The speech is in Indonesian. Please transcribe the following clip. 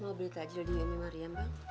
mau beli takjil di umi mariam bang